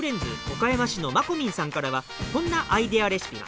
岡山市のまこみんさんからはこんなアイデアレシピが。